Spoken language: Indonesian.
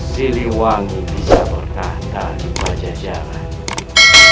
siliwangi bisa bertahta di pajajara